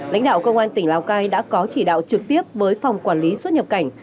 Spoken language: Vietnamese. lãnh đạo công an tỉnh lào cai đã có chỉ đạo trực tiếp với phòng quản lý xuất nhập cảnh